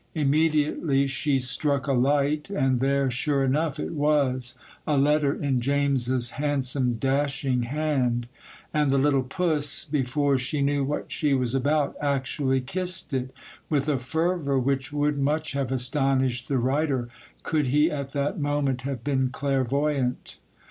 Immediately she struck a light, and there, sure enough, it was,—a letter in James's handsome, dashing hand; and the little puss, before she knew what she was about, actually kissed it, with a fervour which would much have astonished the writer, could he at that moment have been clairvoyant.